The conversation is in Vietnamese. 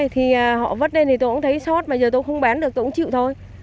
thì họ vất lên thì tôi cũng thấy sót bây giờ tôi không bán được tôi cũng chịu thôi